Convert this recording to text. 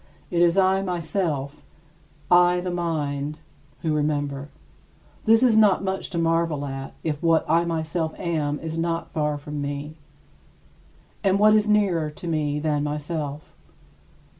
It is I myself I, the mind who remember. This is not much to marvel at, if what I myself am is not far from me. And what is nearer to me than myself?